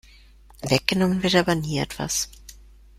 Weggenommen wird aber nie etwas.